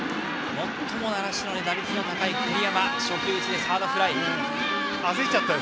最も習志野で打率の高い栗山はサードフライ。